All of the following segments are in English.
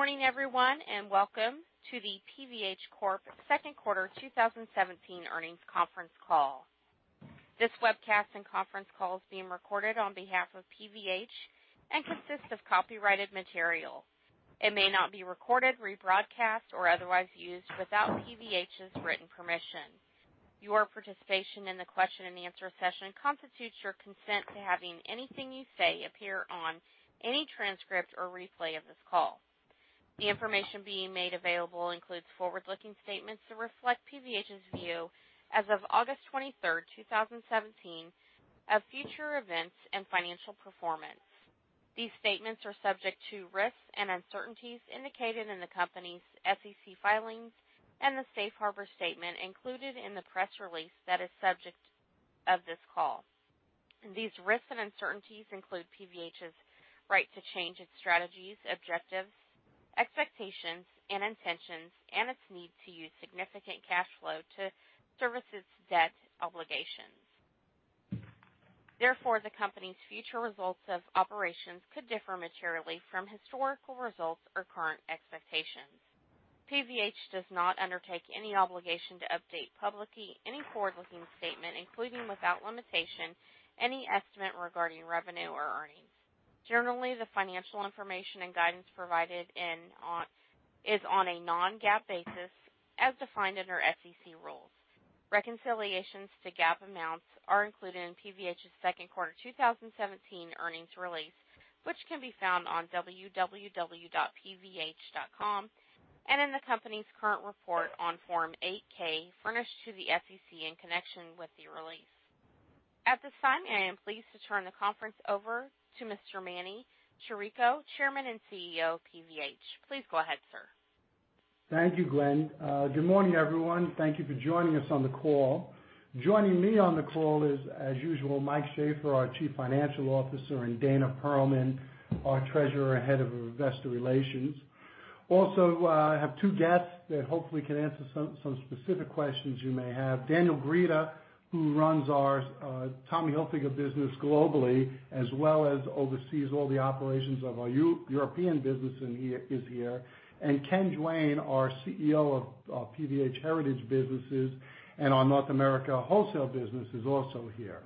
Good morning, everyone, and welcome to the PVH Corp. Second Quarter 2017 Earnings Conference Call. This webcast and conference call is being recorded on behalf of PVH and consists of copyrighted material. It may not be recorded, rebroadcast, or otherwise used without PVH's written permission. Your participation in the question and answer session constitutes your consent to having anything you say appear on any transcript or replay of this call. The information being made available includes forward-looking statements to reflect PVH's view as of August 23rd, 2017, of future events and financial performance. These statements are subject to risks and uncertainties indicated in the company's SEC filings and the safe harbor statement included in the press release that is subject of this call. These risks and uncertainties include PVH's right to change its strategies, objectives, expectations, and intentions, and its need to use significant cash flow to service its debt obligations. Therefore, the company's future results of operations could differ materially from historical results or current expectations. PVH does not undertake any obligation to update publicly any forward-looking statement, including, without limitation, any estimate regarding revenue or earnings. Generally, the financial information and guidance provided is on a non-GAAP basis as defined under SEC rules. Reconciliations to GAAP amounts are included in PVH's second quarter 2017 earnings release, which can be found on www.pvh.com and in the company's current report on Form 8-K furnished to the SEC in connection with the release. At this time, I am pleased to turn the conference over to Mr. Manny Chirico, Chairman and Chief Executive Officer of PVH. Please go ahead, sir. Thank you, Glenn. Good morning, everyone. Thank you for joining us on the call. Joining me on the call is, as usual, Mike Shaffer, our Chief Financial Officer, and Dana Perlman, our Treasurer, Head of Investor Relations. Also, I have two guests that hopefully can answer some specific questions you may have. Daniel Grieder, who runs our Tommy Hilfiger business globally as well as oversees all the operations of our European business is here, and Ken Duane, our Chief Executive Officer of PVH Heritage Brands and our North America wholesale business is also here.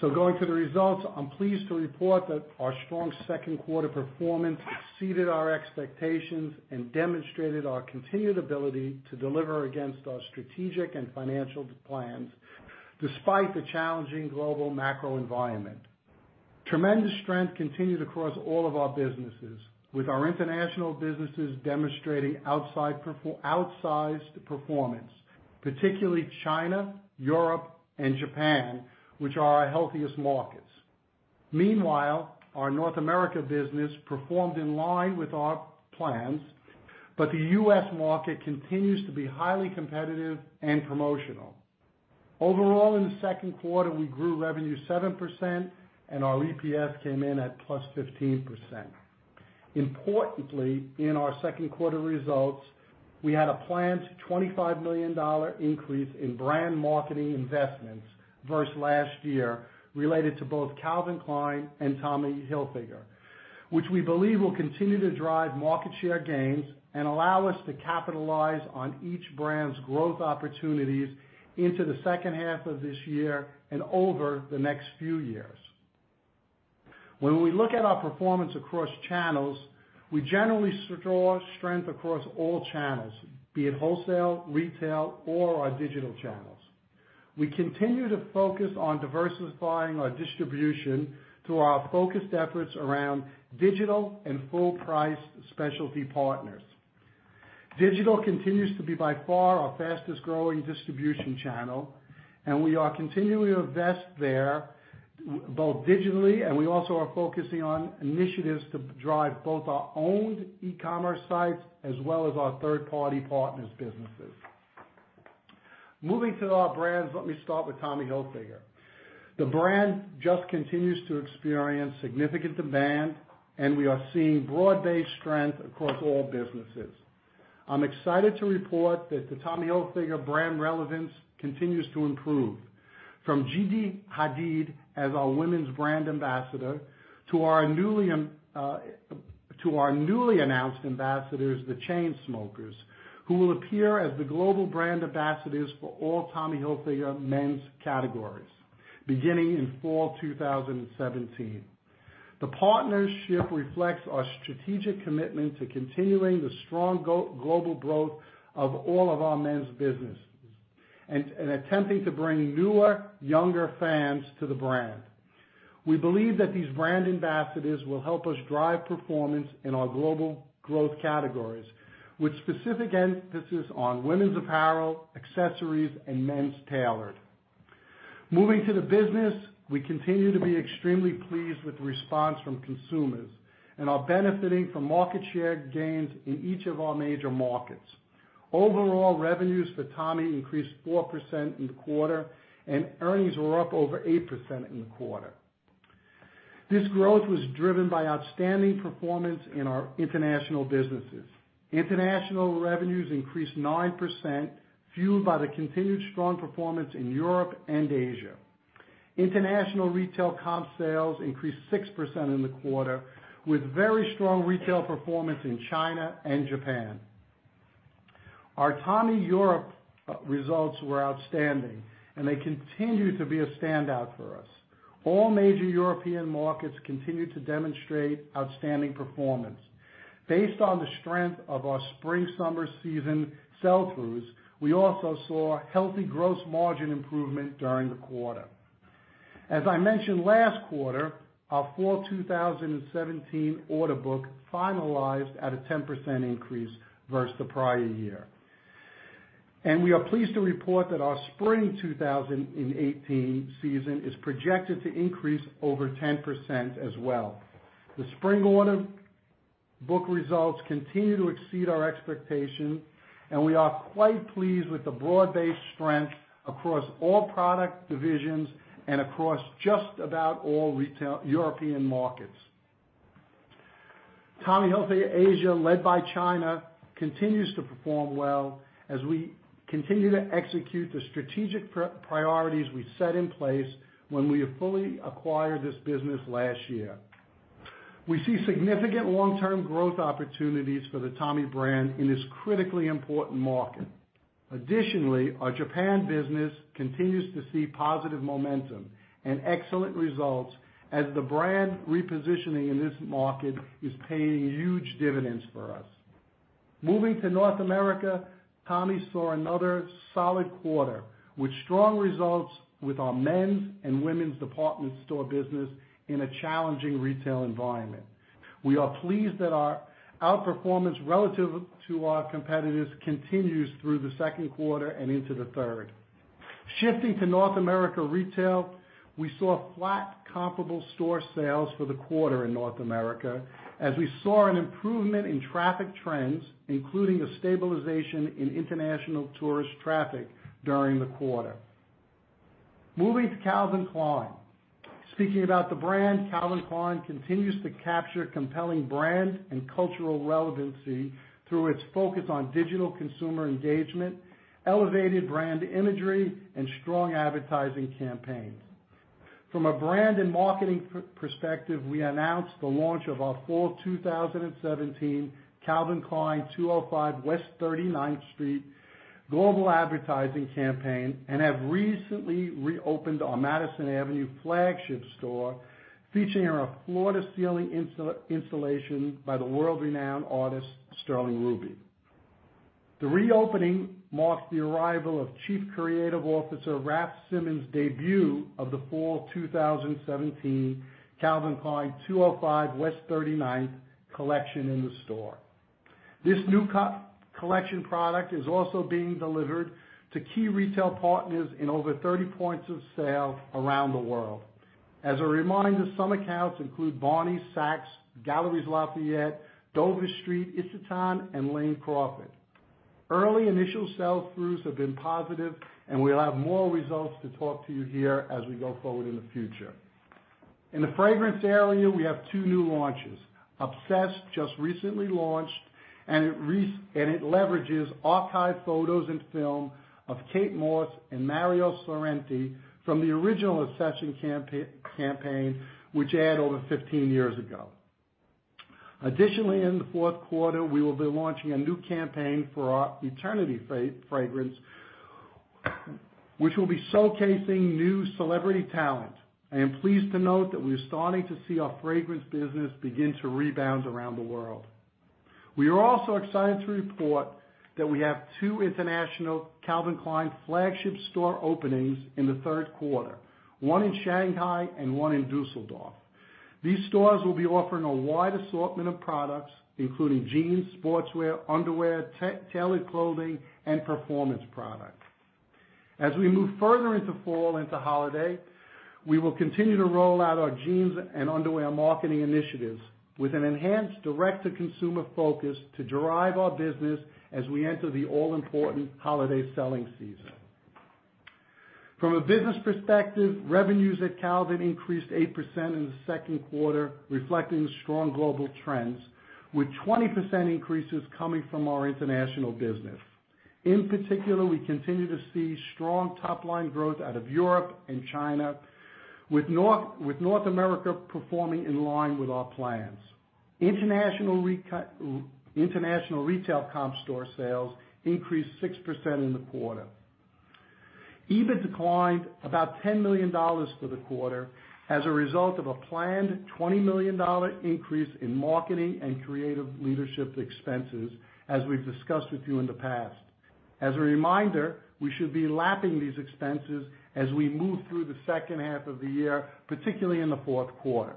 Going to the results, I'm pleased to report that our strong second quarter performance exceeded our expectations and demonstrated our continued ability to deliver against our strategic and financial plans, despite the challenging global macro environment. Tremendous strength continues across all of our businesses, with our international businesses demonstrating outsized performance, particularly China, Europe, and Japan, which are our healthiest markets. Meanwhile, our North America business performed in line with our plans, but the U.S. market continues to be highly competitive and promotional. Overall, in the second quarter, we grew revenue 7%, and our EPS came in at +15%. Importantly, in our second quarter results, we had a planned $25 million increase in brand marketing investments versus last year related to both Calvin Klein and Tommy Hilfiger, which we believe will continue to drive market share gains and allow us to capitalize on each brand's growth opportunities into the second half of this year and over the next few years. When we look at our performance across channels, we generally saw strength across all channels, be it wholesale, retail, or our digital channels. We continue to focus on diversifying our distribution through our focused efforts around digital and full-price specialty partners. Digital continues to be by far our fastest-growing distribution channel, and we are continuing to invest there both digitally, and we also are focusing on initiatives to drive both our owned e-commerce sites as well as our third-party partners businesses. Moving to our brands, let me start with Tommy Hilfiger. The brand just continues to experience significant demand, and we are seeing broad-based strength across all businesses. I'm excited to report that the Tommy Hilfiger brand relevance continues to improve. From Gigi Hadid as our women's brand ambassador to our newly announced ambassadors, The Chainsmokers, who will appear as the global brand ambassadors for all Tommy Hilfiger men's categories beginning in fall 2017. The partnership reflects our strategic commitment to continuing the strong global growth of all of our men's businesses and attempting to bring newer, younger fans to the brand. We believe that these brand ambassadors will help us drive performance in our global growth categories, with specific emphasis on women's apparel, accessories, and men's tailored. Moving to the business, we continue to be extremely pleased with the response from consumers and are benefiting from market share gains in each of our major markets. Overall, revenues for Tommy increased 4% in the quarter, and earnings were up over 8% in the quarter. This growth was driven by outstanding performance in our international businesses. International revenues increased 9%, fueled by the continued strong performance in Europe and Asia. International retail comp sales increased 6% in the quarter, with very strong retail performance in China and Japan. Our Tommy Europe results were outstanding, and they continue to be a standout for us. All major European markets continue to demonstrate outstanding performance. Based on the strength of our spring-summer season sell-throughs, we also saw healthy gross margin improvement during the quarter. As I mentioned last quarter, our fall 2017 order book finalized at a 10% increase versus the prior year. We are pleased to report that our spring 2018 season is projected to increase over 10% as well. The spring order book results continue to exceed our expectations, and we are quite pleased with the broad-based strength across all product divisions and across just about all retail European markets. Tommy Hilfiger Asia, led by China, continues to perform well as we continue to execute the strategic priorities we set in place when we fully acquired this business last year. We see significant long-term growth opportunities for the Tommy brand in this critically important market. Additionally, our Japan business continues to see positive momentum and excellent results as the brand repositioning in this market is paying huge dividends for us. Moving to North America, Tommy saw another solid quarter, with strong results with our men's and women's department store business in a challenging retail environment. We are pleased that our outperformance relative to our competitors continues through the second quarter and into the third. Shifting to North America Retail, we saw flat comparable store sales for the quarter in North America as we saw an improvement in traffic trends, including the stabilization in international tourist traffic during the quarter. Moving to Calvin Klein. Speaking about the brand, Calvin Klein continues to capture compelling brand and cultural relevancy through its focus on digital consumer engagement, elevated brand imagery, and strong advertising campaigns. From a brand and marketing perspective, we announced the launch of our fall 2017 Calvin Klein 205 West 39th Street global advertising campaign and have recently reopened our Madison Avenue flagship store, featuring a floor-to-ceiling installation by the world-renowned artist, Sterling Ruby. The reopening marks the arrival of Chief Creative Officer Raf Simons' debut of the fall 2017 Calvin Klein 205 West 39th collection in the store. This new collection product is also being delivered to key retail partners in over 30 points of sale around the world. As a reminder, some accounts include Barneys, Saks, Galeries Lafayette, Dover Street, Isetan, and Lane Crawford. Early initial sell-throughs have been positive, and we'll have more results to talk to you here as we go forward in the future. In the fragrance area, we have two new launches. Obsessed just recently launched, and it leverages archived photos and film of Kate Moss and Mario Sorrenti from the original Obsession campaign, which aired over 15 years ago. Additionally, in the fourth quarter, we will be launching a new campaign for our Eternity fragrance, which will be showcasing new celebrity talent. I am pleased to note that we're starting to see our fragrance business begin to rebound around the world. We are also excited to report that we have two international Calvin Klein flagship store openings in the third quarter, one in Shanghai and one in Düsseldorf. These stores will be offering a wide assortment of products, including jeans, sportswear, underwear, tailored clothing, and performance products. As we move further into fall into holiday, we will continue to roll out our jeans and underwear marketing initiatives with an enhanced direct-to-consumer focus to drive our business as we enter the all-important holiday selling season. From a business perspective, revenues at Calvin increased 8% in the second quarter, reflecting the strong global trends, with 20% increases coming from our international business. In particular, we continue to see strong top-line growth out of Europe and China, with North America performing in line with our plans. International retail comp store sales increased 6% in the quarter. EBIT declined about $10 million for the quarter as a result of a planned $20 million increase in marketing and creative leadership expenses, as we've discussed with you in the past. As a reminder, we should be lapping these expenses as we move through the second half of the year, particularly in the fourth quarter.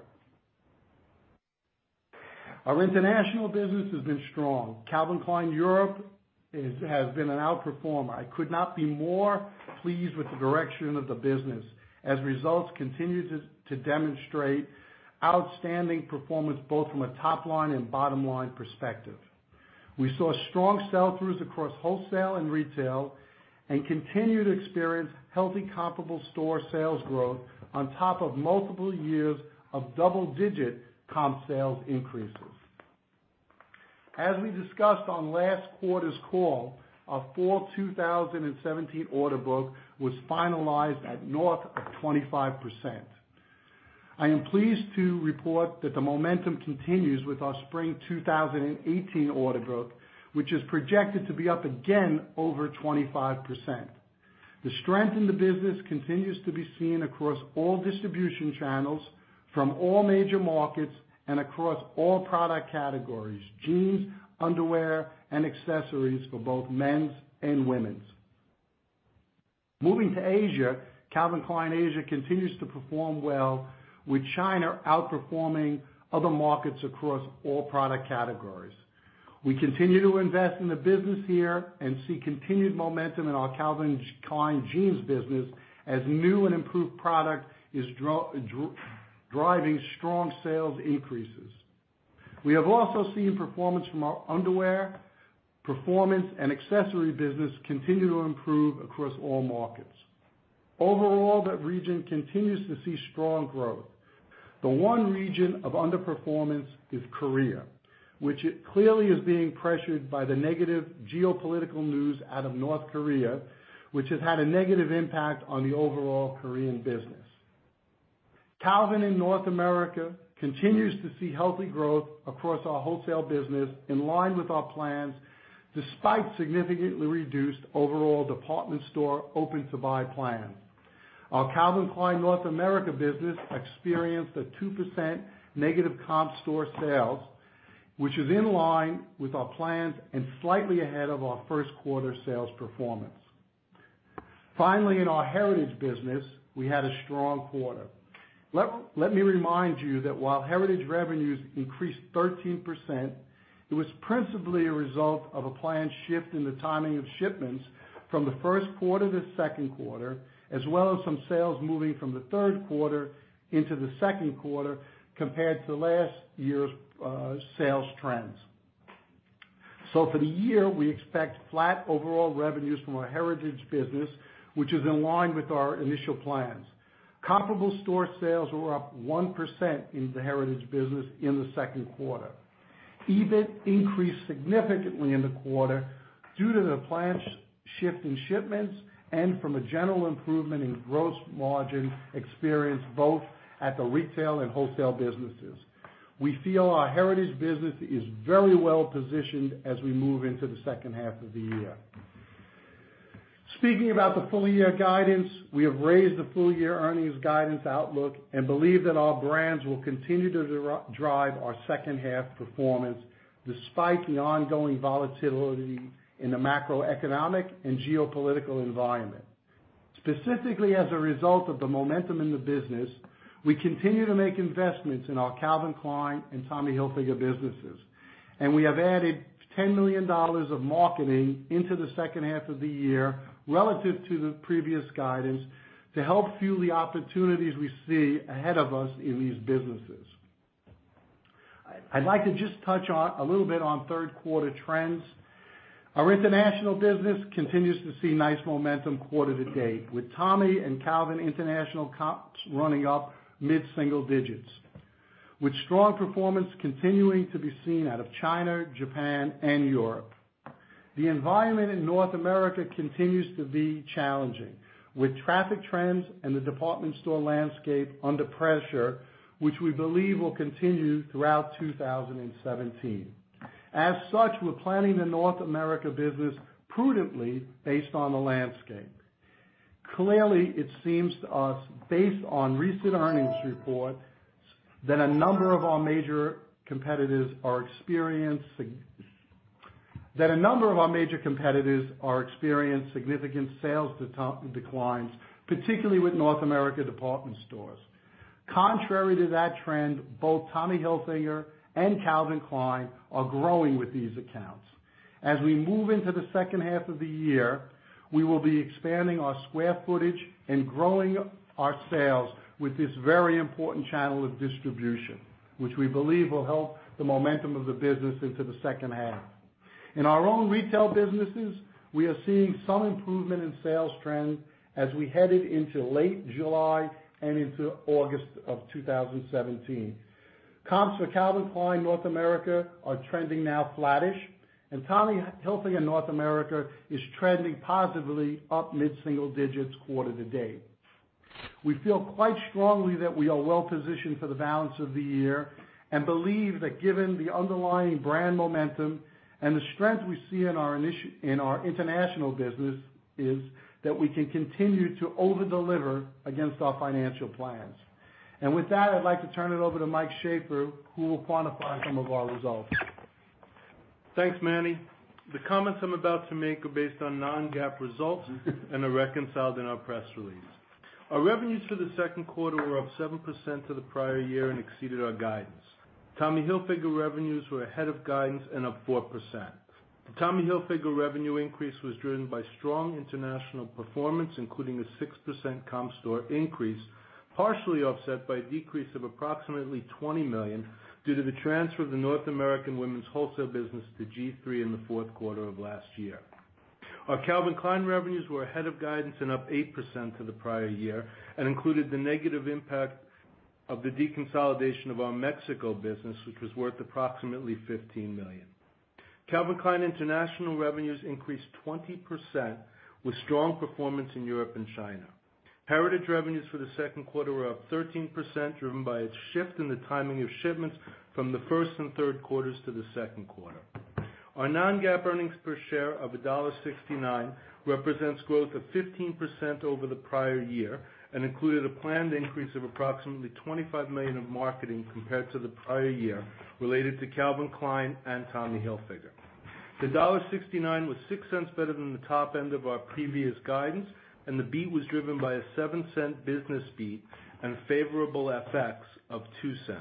Our international business has been strong. Calvin Klein Europe has been an outperformer. I could not be more pleased with the direction of the business as results continue to demonstrate outstanding performance both from a top-line and bottom-line perspective. We saw strong sell-throughs across wholesale and retail and continue to experience healthy comparable store sales growth on top of multiple years of double-digit comp sales increases. As we discussed on last quarter's call, our fall 2017 order book was finalized at north of 25%. I am pleased to report that the momentum continues with our spring 2018 order book, which is projected to be up again over 25%. The strength in the business continues to be seen across all distribution channels, from all major markets, and across all product categories: jeans, underwear, and accessories for both men's and women's. Moving to Asia, Calvin Klein Asia continues to perform well, with China outperforming other markets across all product categories. We continue to invest in the business here and see continued momentum in our Calvin Klein jeans business as new and improved product is driving strong sales increases. We have also seen performance from our underwear, performance, and accessory business continue to improve across all markets. Overall, that region continues to see strong growth. The one region of underperformance is Korea, which clearly is being pressured by the negative geopolitical news out of North Korea, which has had a negative impact on the overall Korean business. Calvin in North America continues to see healthy growth across our wholesale business, in line with our plans, despite significantly reduced overall department store open-to-buy plans. Our Calvin Klein North America business experienced a 2% negative comp store sales, which is in line with our plans and slightly ahead of our first quarter sales performance. Finally, in our heritage business, we had a strong quarter. Let me remind you that while heritage revenues increased 13%, it was principally a result of a planned shift in the timing of shipments from the first quarter to second quarter, as well as some sales moving from the third quarter into the second quarter, compared to last year's sales trends. For the year, we expect flat overall revenues from our heritage business, which is in line with our initial plans. Comparable store sales were up 1% in the heritage business in the second quarter. EBIT increased significantly in the quarter due to the planned shift in shipments and from a general improvement in gross margin experienced both at the retail and wholesale businesses. We feel our heritage business is very well positioned as we move into the second half of the year. Speaking about the full-year guidance, we have raised the full-year earnings guidance outlook and believe that our brands will continue to drive our second half performance, despite the ongoing volatility in the macroeconomic and geopolitical environment. Specifically, as a result of the momentum in the business, we continue to make investments in our Calvin Klein and Tommy Hilfiger businesses, and we have added $10 million of marketing into the second half of the year relative to the previous guidance to help fuel the opportunities we see ahead of us in these businesses. I'd like to just touch a little bit on third quarter trends. Our international business continues to see nice momentum quarter to date, with Tommy and Calvin international comps running up mid-single digits, with strong performance continuing to be seen out of China, Japan, and Europe. The environment in North America continues to be challenging, with traffic trends and the department store landscape under pressure, which we believe will continue throughout 2017. As such, we're planning the North America business prudently based on the landscape. Clearly, it seems to us, based on recent earnings reports, that a number of our major competitors are experiencing significant sales declines, particularly with North America department stores. Contrary to that trend, both Tommy Hilfiger and Calvin Klein are growing with these accounts. As we move into the second half of the year, we will be expanding our square footage and growing our sales with this very important channel of distribution, which we believe will help the momentum of the business into the second half. In our own retail businesses, we are seeing some improvement in sales trends as we headed into late July and into August of 2017. Comps for Calvin Klein North America are trending now flattish, and Tommy Hilfiger North America is trending positively up mid-single digits quarter to date. We feel quite strongly that we are well positioned for the balance of the year and believe that given the underlying brand momentum and the strength we see in our international businesses, that we can continue to over-deliver against our financial plans. With that, I'd like to turn it over to Mike Shaffer, who will quantify some of our results. Thanks, Manny. The comments I'm about to make are based on non-GAAP results and are reconciled in our press release. Our revenues for the second quarter were up 7% to the prior year and exceeded our guidance. Tommy Hilfiger revenues were ahead of guidance and up 4%. The Tommy Hilfiger revenue increase was driven by strong international performance, including a 6% comp store increase, partially offset by a decrease of approximately $20 million due to the transfer of the North American women's wholesale business to G-III in the fourth quarter of last year. Our Calvin Klein revenues were ahead of guidance and up 8% to the prior year and included the negative impact of the deconsolidation of our Mexico business, which was worth approximately $15 million. Calvin Klein international revenues increased 20%, with strong performance in Europe and China. Heritage revenues for the second quarter were up 13%, driven by a shift in the timing of shipments from the first and third quarters to the second quarter. Our non-GAAP earnings per share of $1.69 represents growth of 15% over the prior year and included a planned increase of approximately $25 million of marketing compared to the prior year, related to Calvin Klein and Tommy Hilfiger. The $1.69 was $0.06 better than the top end of our previous guidance, the beat was driven by a $0.07 business beat and favorable FX of $0.02.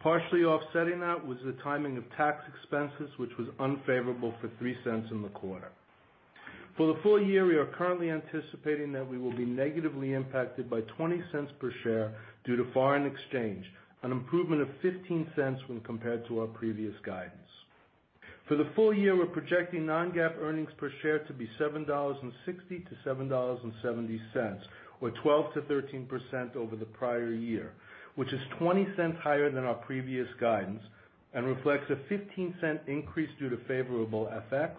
Partially offsetting that was the timing of tax expenses, which was unfavorable for $0.03 in the quarter. For the full year, we are currently anticipating that we will be negatively impacted by $0.20 per share due to foreign exchange, an improvement of $0.15 when compared to our previous guidance. For the full year, we're projecting non-GAAP earnings per share to be $7.60-$7.70, or 12%-13% over the prior year, which is $0.20 higher than our previous guidance and reflects a $0.15 increase due to favorable FX,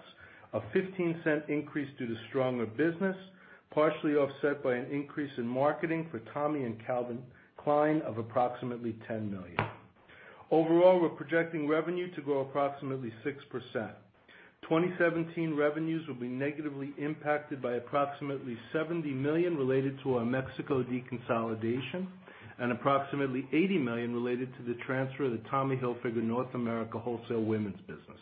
a $0.15 increase due to stronger business, partially offset by an increase in marketing for Tommy Hilfiger and Calvin Klein of approximately $10 million. Overall, we're projecting revenue to grow approximately 6%. 2017 revenues will be negatively impacted by approximately $70 million related to our Mexico deconsolidation and approximately $80 million related to the transfer of the Tommy Hilfiger North America wholesale women's business.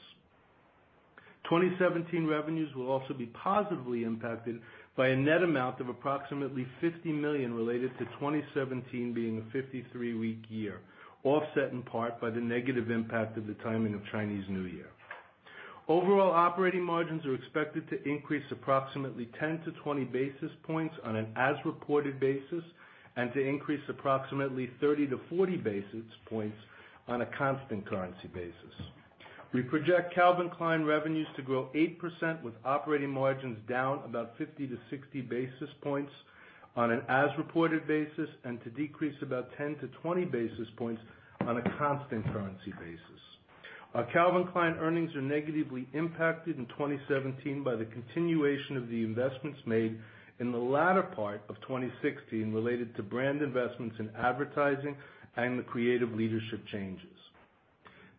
2017 revenues will also be positively impacted by a net amount of approximately $50 million related to 2017 being a 53-week year, offset in part by the negative impact of the timing of Chinese New Year. Overall operating margins are expected to increase approximately 10-20 basis points on an as-reported basis, and to increase approximately 30-40 basis points on a constant currency basis. We project Calvin Klein revenues to grow 8%, with operating margins down about 50-60 basis points on an as-reported basis, and to decrease about 10-20 basis points on a constant currency basis. Our Calvin Klein earnings are negatively impacted in 2017 by the continuation of the investments made in the latter part of 2016 related to brand investments in advertising and the creative leadership changes.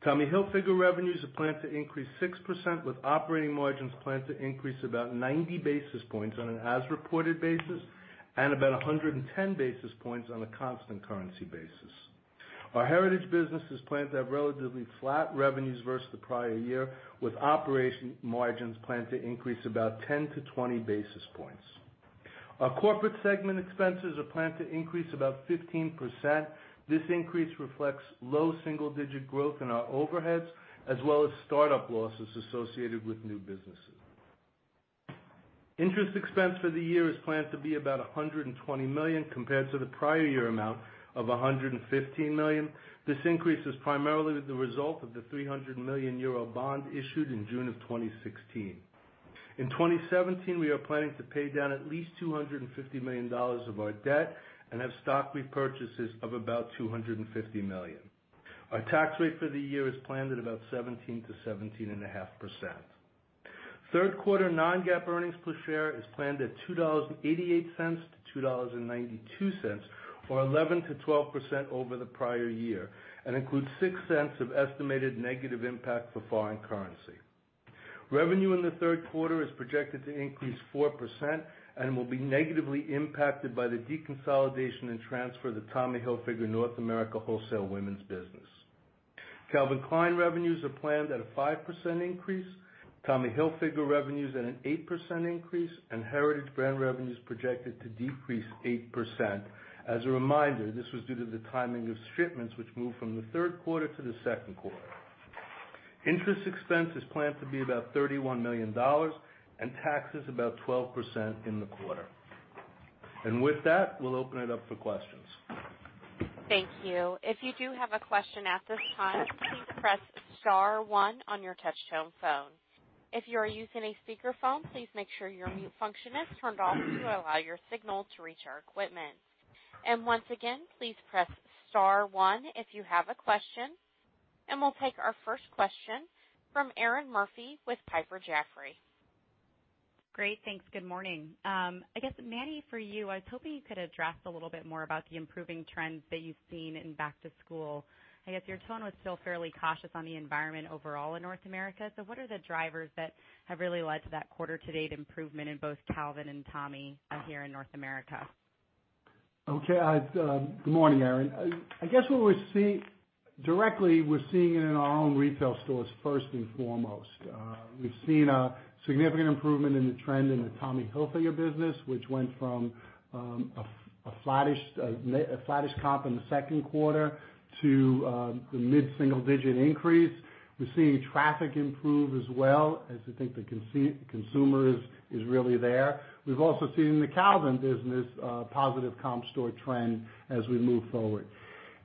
Tommy Hilfiger revenues are planned to increase 6%, with operating margins planned to increase about 90 basis points on an as-reported basis and about 110 basis points on a constant currency basis. Our Heritage business is planned to have relatively flat revenues versus the prior year, with operation margins planned to increase about 10-20 basis points. Our corporate segment expenses are planned to increase about 15%. This increase reflects low single-digit growth in our overheads, as well as startup losses associated with new businesses. Interest expense for the year is planned to be about $120 million, compared to the prior year amount of $115 million. This increase is primarily the result of the 300 million euro bond issued in June of 2016. In 2017, we are planning to pay down at least $250 million of our debt and have stock repurchases of about $250 million. Our tax rate for the year is planned at about 17%-17.5%. Third quarter non-GAAP earnings per share is planned at $2.88-$2.92, or 11%-12% over the prior year, and includes $0.06 of estimated negative impact for foreign currency. Revenue in the third quarter is projected to increase 4% and will be negatively impacted by the deconsolidation and transfer of the Tommy Hilfiger North America wholesale women's business. Calvin Klein revenues are planned at a 5% increase, Tommy Hilfiger revenues at an 8% increase, and Heritage Brands revenues projected to decrease 8%. As a reminder, this was due to the timing of shipments which moved from the third quarter to the second quarter. Interest expense is planned to be about $31 million, and taxes about 12% in the quarter. With that, we'll open it up for questions. Thank you. If you do have a question at this time, please press *1 on your touchtone phone. If you are using a speakerphone, please make sure your mute function is turned off to allow your signal to reach our equipment. Once again, please press *1 if you have a question. We'll take our first question from Erinn Murphy with Piper Jaffray. Great. Thanks. Good morning. Manny, for you, I was hoping you could address a little bit more about the improving trends that you've seen in back to school. Your tone was still fairly cautious on the environment overall in North America. What are the drivers that have really led to that quarter to date improvement in both Calvin and Tommy here in North America? Okay. Good morning, Erinn. Directly, we're seeing it in our own retail stores first and foremost. We've seen a significant improvement in the trend in the Tommy Hilfiger business, which went from a flattish comp in the second quarter to the mid-single-digit increase. We're seeing traffic improve as well as we think the consumer is really there. We've also seen in the Calvin business a positive comp store trend as we move forward.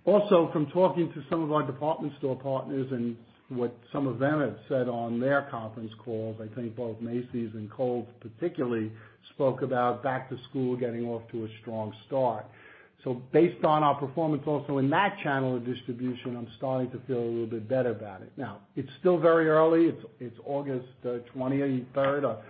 Also, from talking to some of our department store partners and what some of them have said on their conference calls, I think both Macy's and Kohl's particularly spoke about back to school getting off to a strong start. Based on our performance also in that channel of distribution, I'm starting to feel a little bit better about it. Now, it's still very early. It's August 24th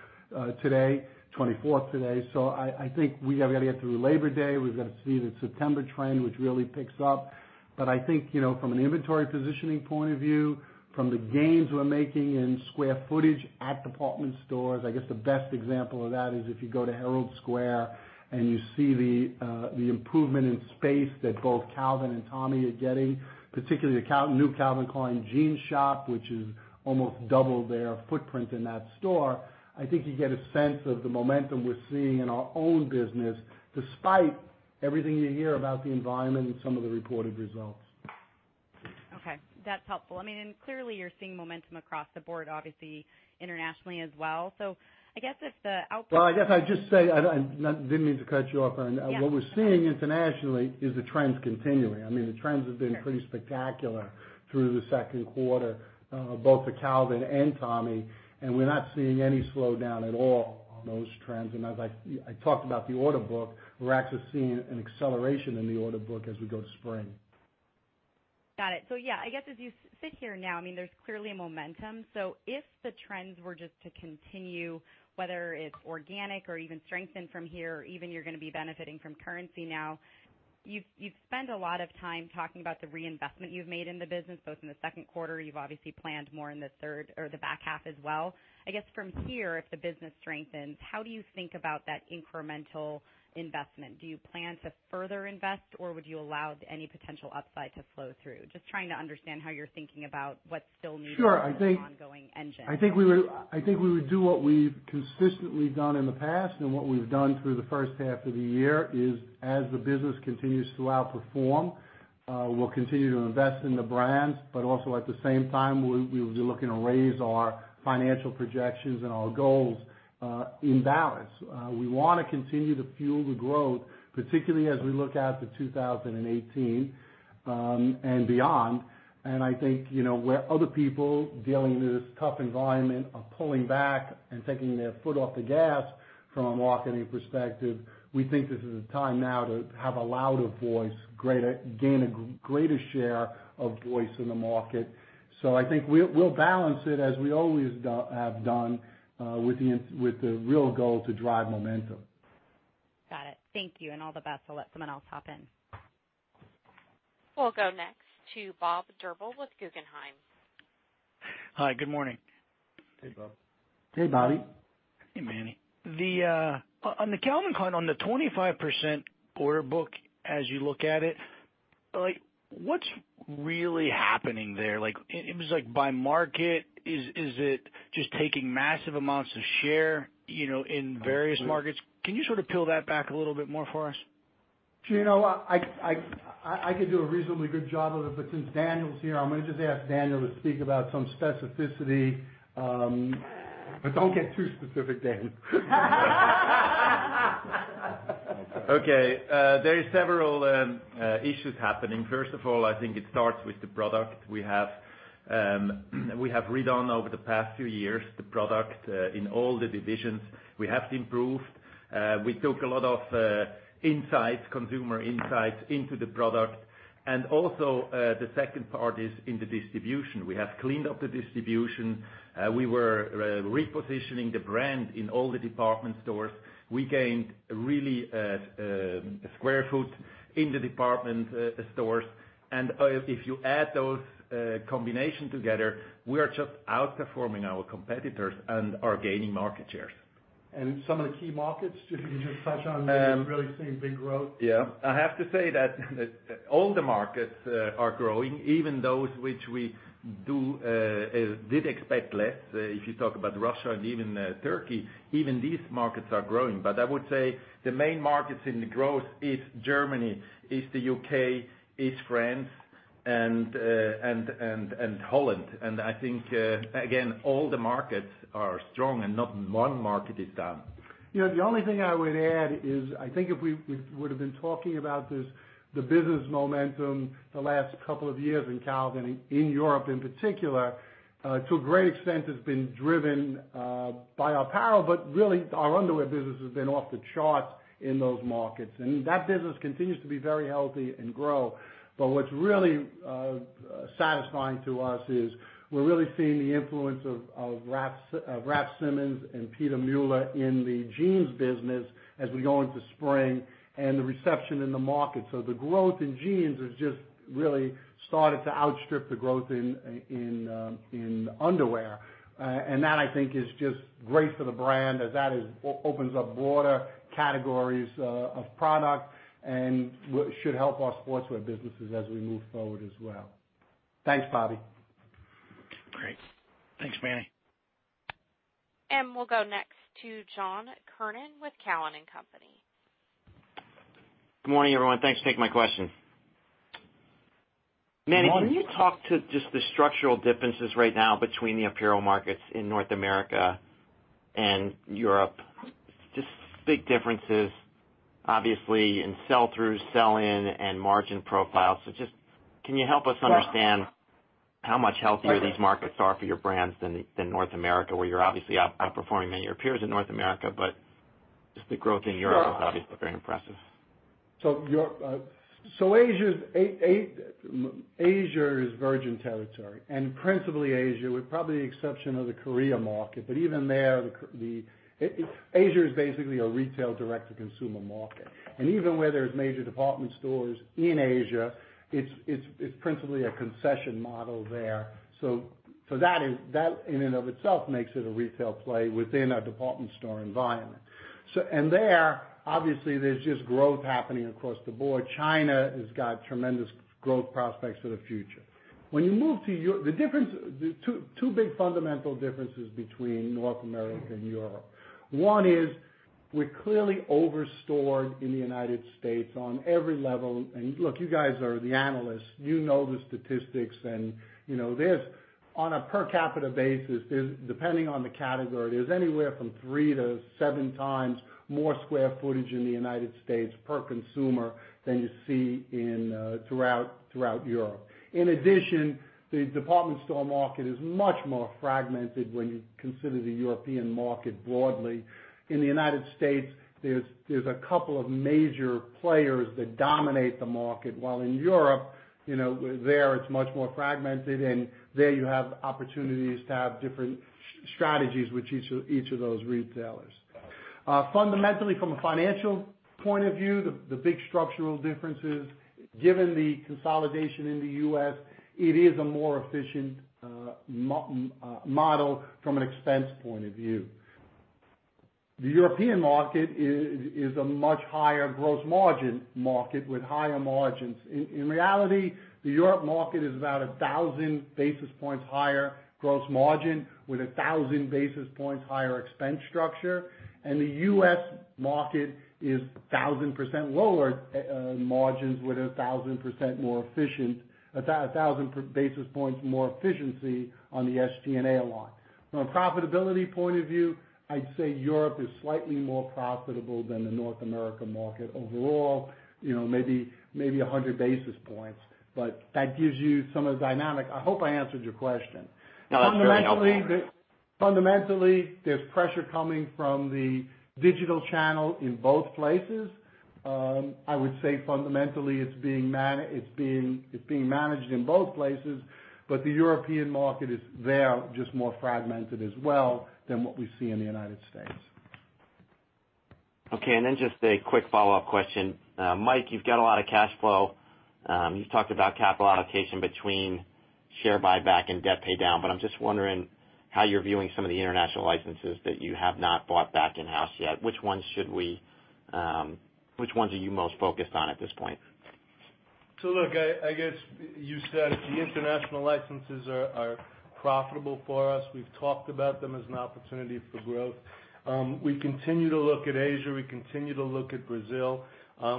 today. I think we have got to get through Labor Day. We've got to see the September trend, which really picks up. I think from an inventory positioning point of view, from the gains we're making in square footage at department stores, the best example of that is if you go to Herald Square and you see the improvement in space that both Calvin and Tommy are getting, particularly the new Calvin Klein jean shop, which is almost double their footprint in that store. I think you get a sense of the momentum we're seeing in our own business, despite everything you hear about the environment and some of the reported results. Okay. That's helpful. Clearly, you're seeing momentum across the board, obviously internationally as well. I guess if the outlook Well, I guess I'd just say, I didn't mean to cut you off. Yeah. What we're seeing internationally is the trends continuing. The trends have been pretty spectacular through the second quarter, both for Calvin and Tommy, and we're not seeing any slowdown at all on those trends. As I talked about the order book, we're actually seeing an acceleration in the order book as we go to spring. Got it. Yeah, I guess as you sit here now, there's clearly a momentum. If the trends were just to continue, whether it's organic or even strengthen from here, or even you're going to be benefiting from currency now, you've spent a lot of time talking about the reinvestment you've made in the business, both in the second quarter, you've obviously planned more in the third or the back half as well. I guess from here, if the business strengthens, how do you think about that incremental investment? Do you plan to further invest or would you allow any potential upside to flow through? Just trying to understand how you're thinking about what still needs to be an ongoing engine. I think we would do what we've consistently done in the past and what we've done through the first half of the year, is as the business continues to outperform, we'll continue to invest in the brands, but also at the same time, we'll be looking to raise our financial projections and our goals in balance. We want to continue to fuel the growth, particularly as we look out to 2018 and beyond. I think where other people dealing in this tough environment are pulling back and taking their foot off the gas from a marketing perspective, we think this is a time now to have a louder voice, gain a greater share of voice in the market. I think we'll balance it as we always have done with the real goal to drive momentum. Got it. Thank you. All the best. I'll let someone else hop in. We'll go next to Bob Drbul with Guggenheim. Hi, good morning. Hey, Bob. Hey, Bobby. Hey, Manny. On the Calvin Klein, on the 25% order book as you look at it, what's really happening there? Is it by market? Is it just taking massive amounts of share in various markets? Can you sort of peel that back a little bit more for us? I could do a reasonably good job of it, since Daniel's here, I'm going to just ask Daniel to speak about some specificity. Don't get too specific, Dan. Okay. There are several issues happening. First of all, I think it starts with the product. We have redone over the past few years, the product in all the divisions. We have improved. We took a lot of consumer insights into the product. Also, the second part is in the distribution. We have cleaned up the distribution. We were repositioning the brand in all the department stores. We gained really a square foot in the department stores. If you add those combination together, we are just outperforming our competitors and are gaining market shares. Some of the key markets, if you could just touch on where you're really seeing big growth. Yeah. I have to say that all the markets are growing, even those which we did expect less. If you talk about Russia and even Turkey, even these markets are growing. I would say the main markets in the growth is Germany, is the U.K., is France and Holland. I think, again, all the markets are strong and not one market is down. The only thing I would add is, I think if we would've been talking about the business momentum the last couple of years in Calvin, in Europe in particular, to a great extent has been driven by apparel, really our underwear business has been off the charts in those markets, and that business continues to be very healthy and grow. What's really satisfying to us is we're really seeing the influence of Raf Simons and Pieter Mulier in the jeans business as we go into spring and the reception in the market. The growth in jeans has just really started to outstrip the growth in underwear. That, I think, is just great for the brand as that opens up broader categories of product and should help our sportswear businesses as we move forward as well. Thanks, Bobby. Great. Thanks, Manny. We'll go next to John Kernan with Cowen and Company. Good morning, everyone. Thanks for taking my question. Manny, can you talk to just the structural differences right now between the apparel markets in North America and Europe? Just big differences, obviously, in sell-through, sell-in, and margin profiles. Just can you help us understand how much healthier these markets are for your brands than North America, where you're obviously outperforming many of your peers in North America, but just the growth in Europe is obviously very impressive. Asia is virgin territory, and principally Asia, with probably the exception of the Korea market. Even there, Asia is basically a retail direct-to-consumer market. Even where there's major department stores in Asia, it's principally a concession model there. That in and of itself makes it a retail play within a department store environment. There, obviously, there's just growth happening across the board. China has got tremendous growth prospects for the future. Two big fundamental differences between North America and Europe. One is we're clearly over-stored in the United States on every level. Look, you guys are the analysts, you know the statistics and this. On a per capita basis, depending on the category, there's anywhere from three to seven times more square footage in the United States per consumer than you see throughout Europe. In addition, the department store market is much more fragmented when you consider the European market broadly. In the U.S., there's a couple of major players that dominate the market, while in Europe, there it's much more fragmented, and there you have opportunities to have different strategies with each of those retailers. Fundamentally, from a financial point of view, the big structural difference is, given the consolidation in the U.S., it is a more efficient model from an expense point of view. The European market is a much higher growth margin market with higher margins. In reality, the Europe market is about 1,000 basis points higher gross margin with 1,000 basis points higher expense structure. The U.S. market is 1,000 basis points lower margins with 1,000 basis points more efficiency on the SG&A line. From a profitability point of view, I'd say Europe is slightly more profitable than the North America market overall, maybe 100 basis points. That gives you some of the dynamic. I hope I answered your question. No, that's very helpful. Fundamentally, there's pressure coming from the digital channel in both places. I would say fundamentally it's being managed in both places, the European market is there, just more fragmented as well than what we see in the U.S. Okay, just a quick follow-up question. Mike Schaefer, you've got a lot of cash flow. You've talked about capital allocation between share buyback and debt paydown, but I'm just wondering how you're viewing some of the international licenses that you have not bought back in-house yet. Which ones are you most focused on at this point? Look, I guess you said it. The international licenses are profitable for us. We've talked about them as an opportunity for growth. We continue to look at Asia. We continue to look at Brazil.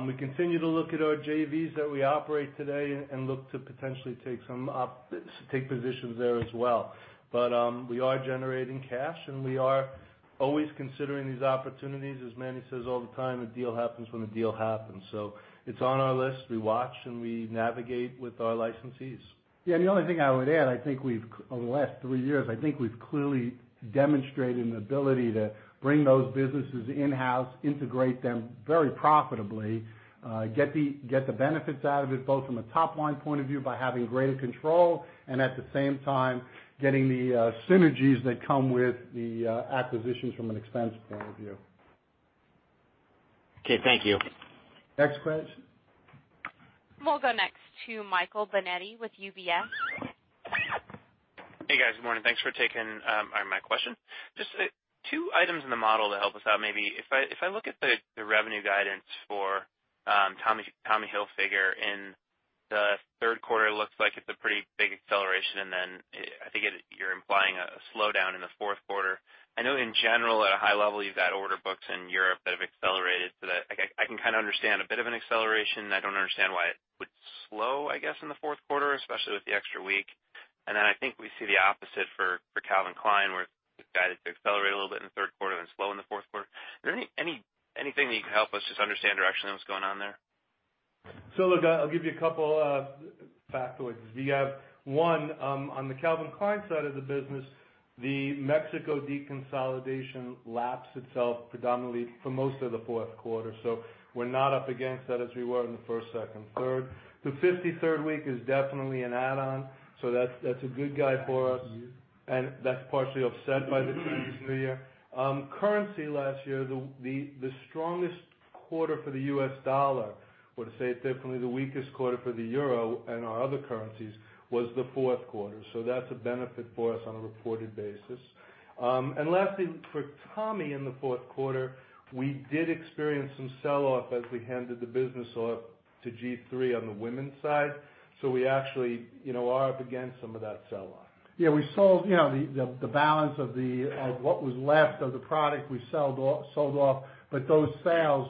We continue to look at our JVs that we operate today and look to potentially take positions there as well. We are generating cash, and we are always considering these opportunities. As Manny Chirico says all the time, a deal happens when a deal happens. It's on our list. We watch and we navigate with our licensees. Yeah, the only thing I would add, over the last three years, I think we've clearly demonstrated an ability to bring those businesses in-house, integrate them very profitably, get the benefits out of it, both from a top-line point of view by having greater control, and at the same time, getting the synergies that come with the acquisitions from an expense point of view. Okay, thank you. Next question. We'll go next to Michael Binetti with UBS. Hey, guys. Good morning. Thanks for taking my question. Just two items in the model to help us out, maybe. If I look at the revenue guidance for Tommy Hilfiger in the third quarter, it looks like it's a pretty big acceleration, then I think you're implying a slowdown in the fourth quarter. I know in general, at a high level, you've got order books in Europe that have accelerated. I can understand a bit of an acceleration. I don't understand why it would slow, I guess, in the fourth quarter, especially with the extra week. Then I think we see the opposite for Calvin Klein, where it's guided to accelerate a little bit in the third quarter, then slow in the fourth quarter. Is there anything that you can help us just understand directionally what's going on there? Look, I'll give you a couple of factoids. We have one, on the Calvin Klein side of the business, the Mexico deconsolidation laps itself predominantly for most of the fourth quarter. We're not up against that as we were in the first, second, third. The 53rd week is definitely an add-on, that's a good guy for us, and that's partially offset by the G3 year. Currency last year, the strongest quarter for the U.S. dollar, or to say it differently, the weakest quarter for the EUR and our other currencies, was the fourth quarter. That's a benefit for us on a reported basis. Lastly, for Tommy in the fourth quarter, we did experience some sell-off as we handed the business off to G3 on the women's side. We actually are up against some of that sell-off. Yeah, the balance of what was left of the product we sold off, but those sales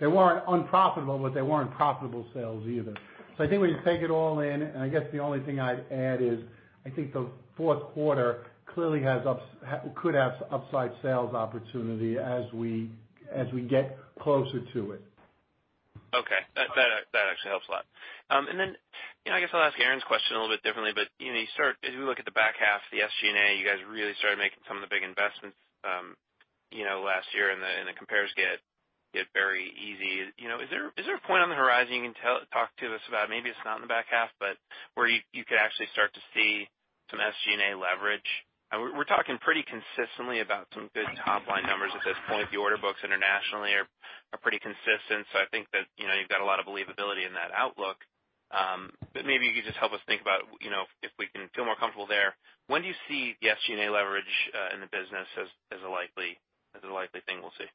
they weren't unprofitable, but they weren't profitable sales either. I think when you take it all in, and I guess the only thing I'd add is I think the fourth quarter clearly could have upside sales opportunity as we get closer to it. Okay. That actually helps a lot. Then, I guess I'll ask Erinn's question a little bit differently. As we look at the back half, the SG&A, you guys really started making some of the big investments last year, and the compares get very easy. Is there a point on the horizon you can talk to us about? Maybe it's not in the back half, but where you could actually start to see some SG&A leverage? We're talking pretty consistently about some good top-line numbers at this point. The order books internationally are pretty consistent. I think that you've got a lot of believability in that outlook. Maybe you could just help us think about if we can feel more comfortable there. When do you see the SG&A leverage in the business as a likely thing we'll see?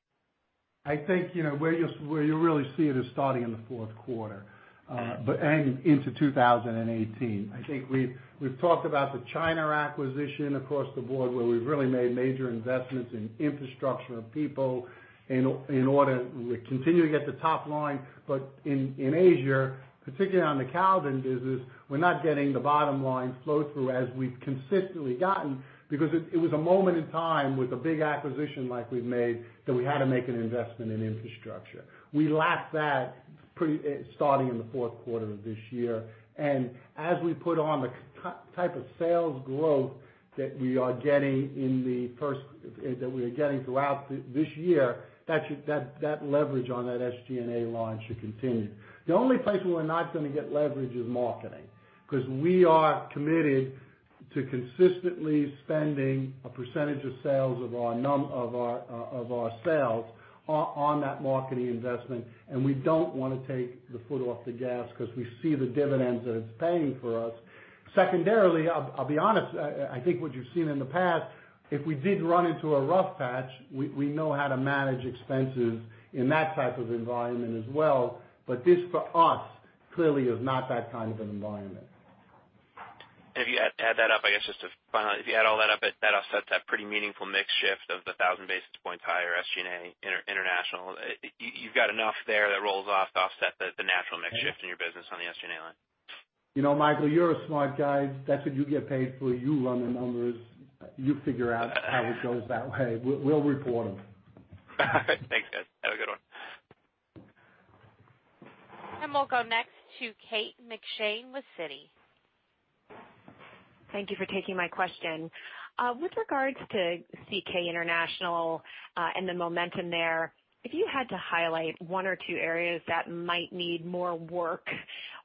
I think where you'll really see it is starting in the fourth quarter and into 2018. I think we've talked about the China acquisition across the board, where we've really made major investments in infrastructure and people in order to continue to get the top line. In Asia, particularly on the Calvin business, we're not getting the bottom-line flow through as we've consistently gotten, because it was a moment in time with a big acquisition like we've made, that we had to make an investment in infrastructure. We lap that starting in the fourth quarter of this year. As we put on the type of sales growth that we are getting throughout this year, that leverage on that SG&A line should continue. The only place where we're not going to get leverage is marketing, because we are committed to consistently spending a percentage of our sales on that marketing investment, we don't want to take the foot off the gas because we see the dividends that it's paying for us. Secondarily, I'll be honest, I think what you've seen in the past, if we did run into a rough patch, we know how to manage expenses in that type of environment as well. This, for us, clearly is not that kind of an environment. If you add that up, I guess just to finally, if you add all that up, that offsets that pretty meaningful mix shift of the 1,000 basis points higher SG&A international. You've got enough there that rolls off to offset the natural mix shift in your business on the SG&A line. Michael, you're a smart guy. That's what you get paid for. You run the numbers. You figure out how it goes that way. We'll report them. Thanks, guys. Have a good one. We'll go next to Kate McShane with Citi. Thank you for taking my question. With regards to CK International and the momentum there, if you had to highlight one or two areas that might need more work,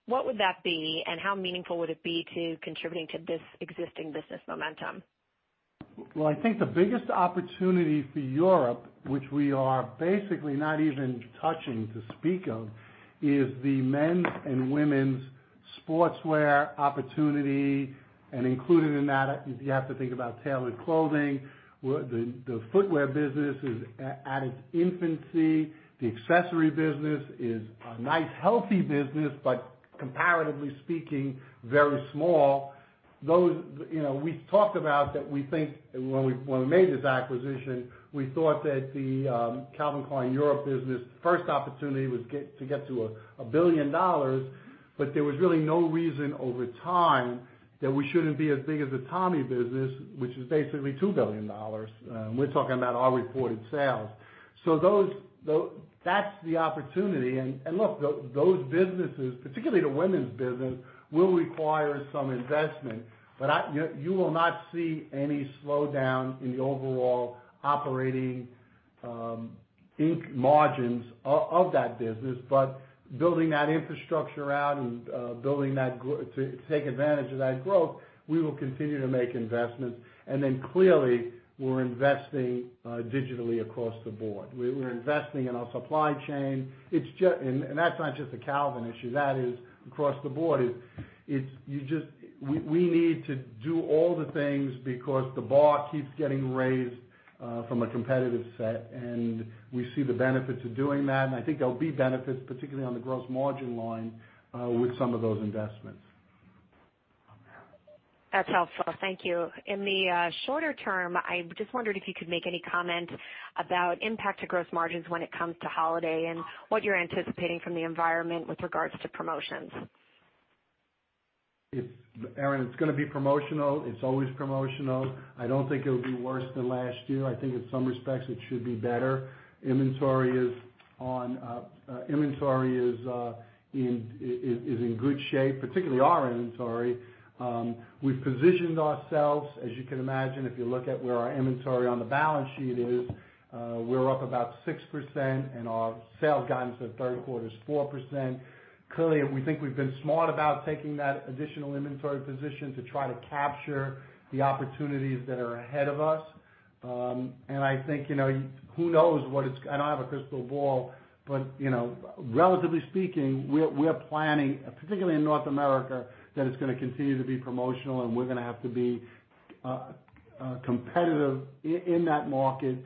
what would that be, and how meaningful would it be to contributing to this existing business momentum? I think the biggest opportunity for Europe, which we are basically not even touching to speak of, is the men's and women's sportswear opportunity. Included in that, you have to think about tailored clothing. The footwear business is at its infancy. The accessory business is a nice, healthy business, but comparatively speaking, very small. We've talked about that we think, when we made this acquisition, we thought that the Calvin Klein Europe business first opportunity was to get to $1 billion, but there was really no reason over time that we shouldn't be as big as the Tommy business, which is basically $2 billion. We're talking about our reported sales. That's the opportunity. Look, those businesses, particularly the women's business, will require some investment, but you will not see any slowdown in the overall operating margins of that business. Building that infrastructure out and building to take advantage of that growth, we will continue to make investments. Clearly, we're investing digitally across the board. We're investing in our supply chain. That's not just a Calvin issue. That is across the board. We need to do all the things because the bar keeps getting raised from a competitive set. We see the benefits of doing that. I think there'll be benefits, particularly on the gross margin line, with some of those investments. That's helpful. Thank you. In the shorter term, I just wondered if you could make any comment about impact to gross margins when it comes to holiday and what you're anticipating from the environment with regards to promotions. Erinn, it's going to be promotional. It's always promotional. I don't think it'll be worse than last year. I think in some respects, it should be better. Inventory is in good shape, particularly our inventory. We've positioned ourselves, as you can imagine, if you look at where our inventory on the balance sheet is, we're up about 6%, and our sales guidance for the third quarter is 4%. Clearly, we think we've been smart about taking that additional inventory position to try to capture the opportunities that are ahead of us. I think, who knows what, I don't have a crystal ball, but relatively speaking, we're planning, particularly in North America, that it's going to continue to be promotional, and we're going to have to be competitive in that market.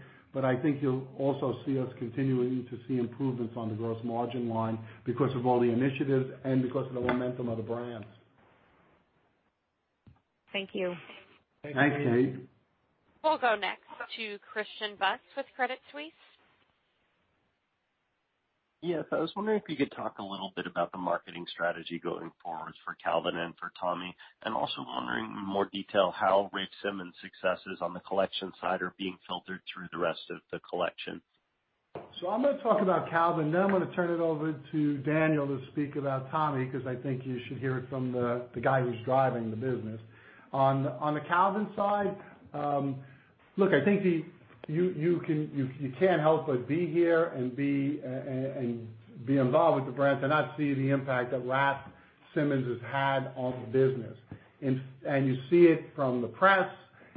I think you'll also see us continuing to see improvements on the gross margin line because of all the initiatives and because of the momentum of the brands. Thank you. Thanks, Kate. We'll go next to Christian Buss with Credit Suisse. Yes. I was wondering if you could talk a little bit about the marketing strategy going forward for Calvin and for Tommy, also wondering in more detail how Raf Simons' successes on the collection side are being filtered through the rest of the collection. I'm going to talk about Calvin, then I'm going to turn it over to Daniel to speak about Tommy, because I think you should hear it from the guy who's driving the business. On the Calvin side, look, I think you can't help but be here and be involved with the brand to not see the impact that Raf Simons has had on the business. You see it from the press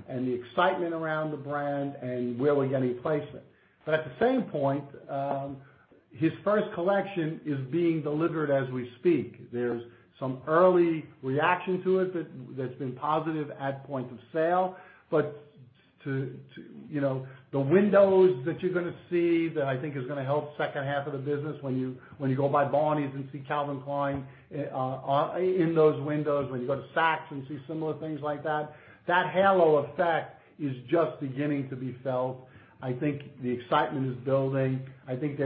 and the excitement around the brand and really getting placement. At the same point, his first collection is being delivered as we speak. There's some early reaction to it that's been positive at point of sale. The windows that you're going to see that I think is going to help second half of the business when you go by Barneys and see Calvin Klein in those windows, when you go to Saks and see similar things like that halo effect is just beginning to be felt. I think the excitement is building. I think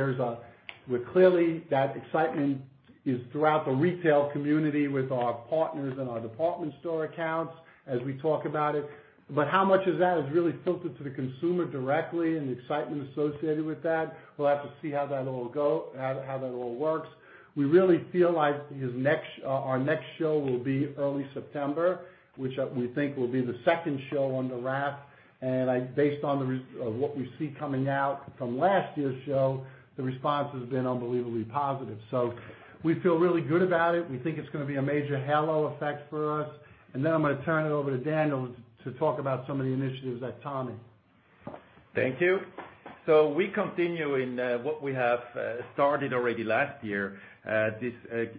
clearly that excitement is throughout the retail community with our partners and our department store accounts as we talk about it. How much of that is really filtered to the consumer directly and the excitement associated with that, we'll have to see how that all works. We really feel like our next show will be early September, which we think will be the second show under Raf. Based on what we see coming out from last year's show, the response has been unbelievably positive. We feel really good about it. We think it's going to be a major halo effect for us. I'm going to turn it over to Daniel to talk about some of the initiatives at Tommy. Thank you. We continue in what we have started already last year, this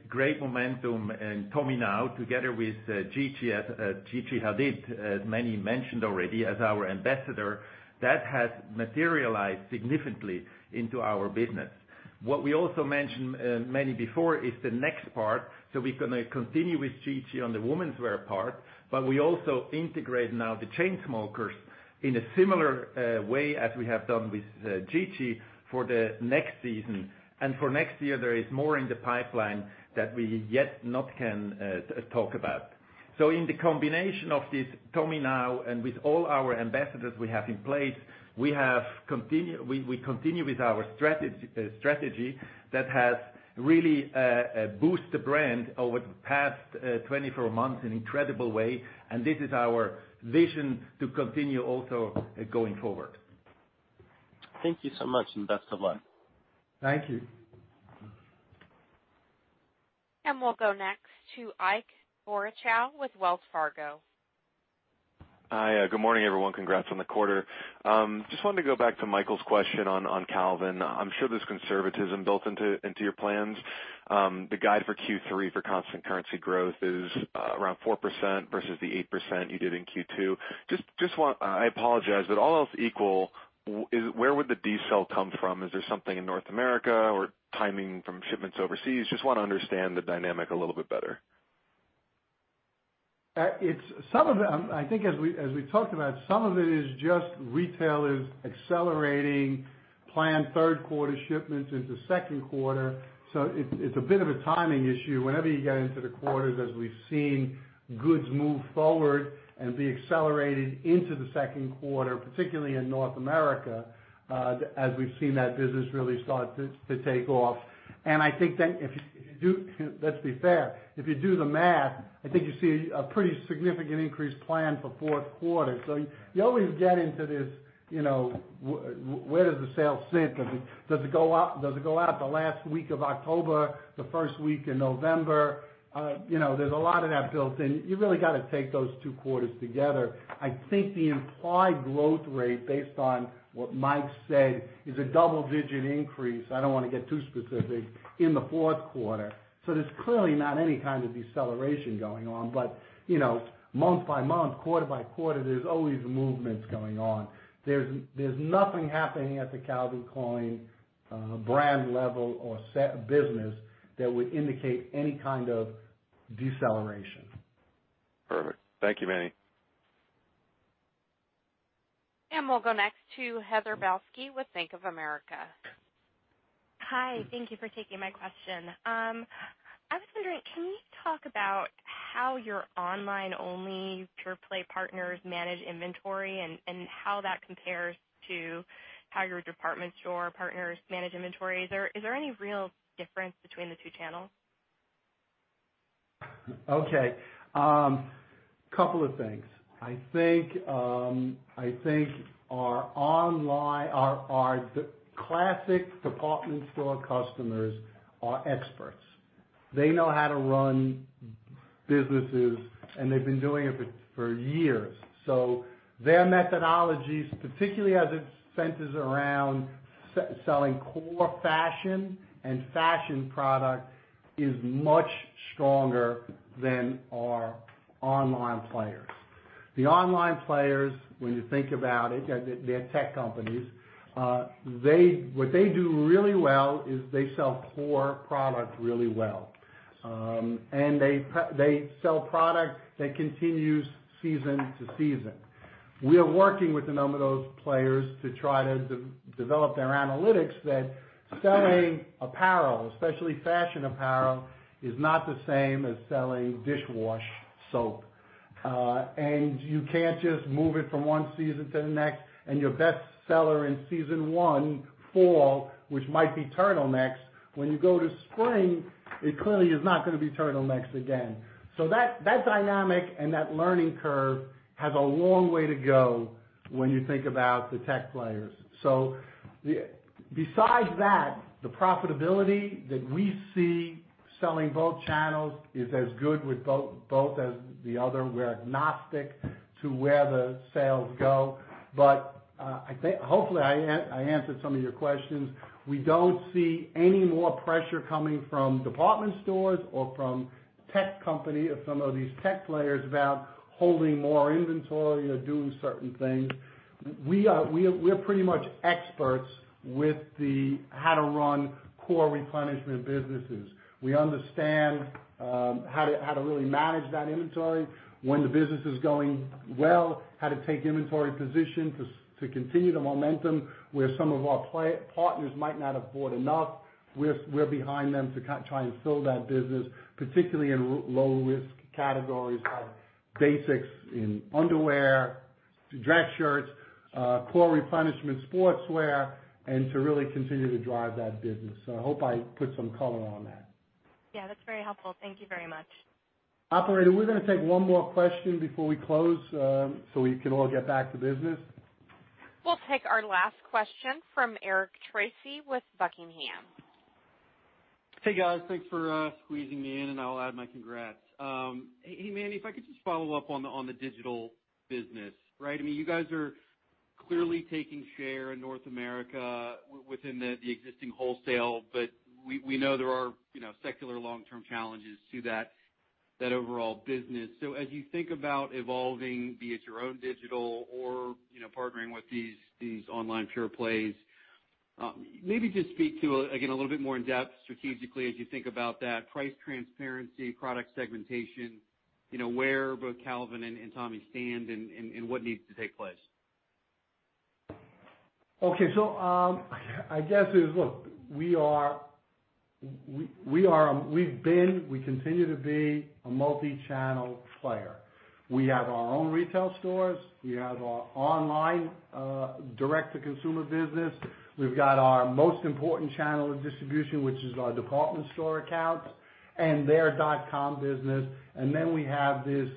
great momentum in TommyNow, together with Gigi Hadid, as Manny mentioned already, as our ambassador. That has materialized significantly into our business. What we also mentioned, Manny, before is the next part. We're going to continue with Gigi on the womenswear part, but we also integrate now The Chainsmokers in a similar way as we have done with Gigi for the next season. For next year, there is more in the pipeline that we yet not can talk about. In the combination of this TommyNow and with all our ambassadors we have in place, we continue with our strategy that has really boost the brand over the past 24 months in an incredible way, and this is our vision to continue also going forward. Thank you so much, best of luck. Thank you. We'll go next to Ike Boruchow with Wells Fargo. Hi, good morning, everyone. Congrats on the quarter. Just wanted to go back to Michael's question on Calvin. I'm sure there's conservatism built into your plans. The guide for Q3 for constant currency growth is around 4% versus the 8% you did in Q2. I apologize, but all else equal, where would the decel come from? Is there something in North America or timing from shipments overseas? Just want to understand the dynamic a little bit better. I think as we talked about, some of it is just retailers accelerating planned third-quarter shipments into second quarter. It's a bit of a timing issue. Whenever you get into the quarters, as we've seen, goods move forward and be accelerated into the second quarter, particularly in North America, as we've seen that business really start to take off. I think that if you do the math, I think you see a pretty significant increase planned for fourth quarter. You always get into this, where does the sale sit? Does it go out the last week of October, the first week in November? There's a lot of that built in. You really got to take those two quarters together. I think the implied growth rate, based on what Mike said, is a double-digit increase, I don't want to get too specific, in the fourth quarter. There's clearly not any kind of deceleration going on. Month by month, quarter by quarter, there's always movements going on. There's nothing happening at the Calvin Klein brand level or business that would indicate any kind of deceleration. Perfect. Thank you, Manny. We'll go next to Heather Balsky with Bank of America. Hi. Thank you for taking my question. I was wondering, can you talk about how your online-only pure-play partners manage inventory and how that compares to how your department store partners manage inventory? Is there any real difference between the two channels? Okay. Couple of things. I think our classic department store customers are experts. They know how to run businesses, and they've been doing it for years. Their methodologies, particularly as it centers around selling core fashion and fashion product, is much stronger than our online players. The online players, when you think about it, they're tech companies. What they do really well is they sell core product really well. They sell product that continues season to season. We are working with a number of those players to try to develop their analytics that selling apparel, especially fashion apparel, is not the same as selling dishwash soap. You can't just move it from one season to the next. Your best seller in season one, fall, which might be turtlenecks, when you go to spring, it clearly is not gonna be turtlenecks again. That dynamic and that learning curve has a long way to go when you think about the tech players. Besides that, the profitability that we see selling both channels is as good with both as the other. We're agnostic to where the sales go. Hopefully, I answered some of your questions. We don't see any more pressure coming from department stores or from tech company or some of these tech players about holding more inventory or doing certain things. We're pretty much experts with the how to run core replenishment businesses. We understand how to really manage that inventory when the business is going well, how to take inventory position to continue the momentum. Where some of our partners might not have bought enough, we're behind them to try and fill that business, particularly in low-risk categories, like basics in underwear, dress shirts, core replenishment sportswear, and to really continue to drive that business. I hope I put some color on that. Yeah, that's very helpful. Thank you very much. Operator, we're gonna take one more question before we close. We can all get back to business. We'll take our last question from Eric Tracy with Buckingham. Hey, guys. Thanks for squeezing me in, and I'll add my congrats. Hey, Manny, if I could just follow up on the digital business. You guys are clearly taking share in North America within the existing wholesale, but we know there are secular long-term challenges to that overall business. As you think about evolving, be it your own digital or partnering with these online pure plays, maybe just speak to, again, a little bit more in depth strategically as you think about that price transparency, product segmentation, where both Calvin and Tommy stand and what needs to take place. We continue to be a multi-channel player. We have our own retail stores. We have our online direct-to-consumer business. We've got our most important channel of distribution, which is our department store accounts and their dot-com business. We have this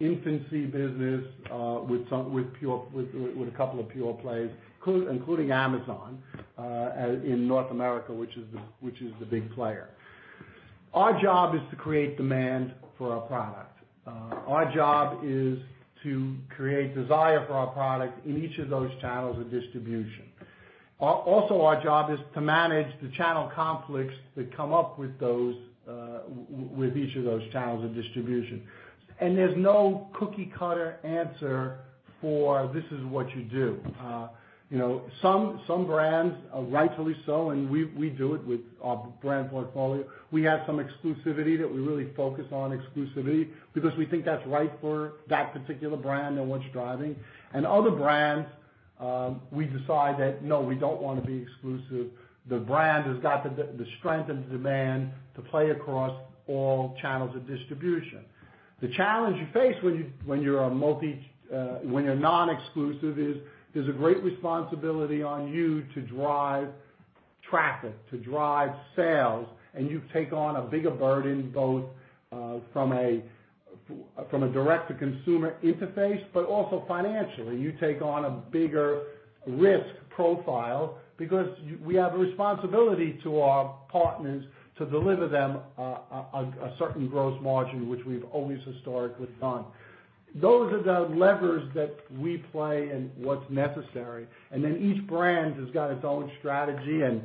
infancy business with a couple of pure plays, including Amazon in North America, which is the big player. Our job is to create demand for our product. Our job is to create desire for our product in each of those channels of distribution. Also, our job is to manage the channel conflicts that come up with each of those channels of distribution. There's no cookie cutter answer for this is what you do. Some brands, rightfully so, and we do it with our brand portfolio. We have some exclusivity that we really focus on exclusivity because we think that's right for that particular brand and what's driving. Other brands, we decide that, no, we don't want to be exclusive. The brand has got the strength and the demand to play across all channels of distribution. The challenge you face when you're non-exclusive is, there's a great responsibility on you to drive traffic, to drive sales, and you take on a bigger burden, both from a direct-to-consumer interface, but also financially. You take on a bigger risk profile because we have a responsibility to our partners to deliver them a certain gross margin, which we've always historically done. Those are the levers that we play and what's necessary. Each brand has got its own strategy, and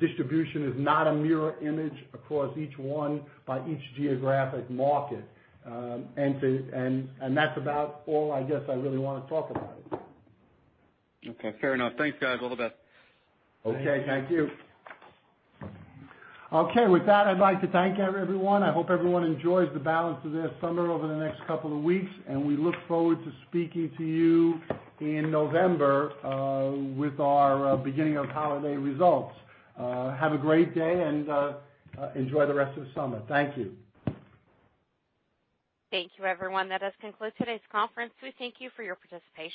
distribution is not a mirror image across each one by each geographic market. That's about all I guess I really want to talk about it. Okay, fair enough. Thanks, guys. All the best. Okay, thank you. Okay, with that, I'd like to thank everyone. I hope everyone enjoys the balance of their summer over the next couple of weeks. We look forward to speaking to you in November with our beginning of holiday results. Have a great day. Enjoy the rest of the summer. Thank you. Thank you, everyone. That does conclude today's conference. We thank you for your participation